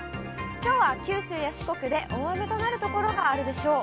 きょうは九州や四国で大雨となる所があるでしょう。